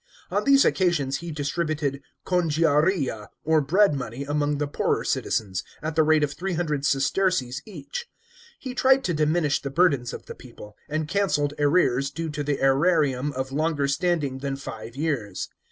On these occasions he distributed congiaria or bread money among the poorer citizens, at the rate of three hundred sesterces each. He tried to diminish the burdens of the people, and cancelled arrears due to the seiarium of longer standing than five years.